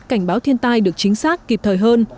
cảnh báo thiên tai được chính xác kịp thời hơn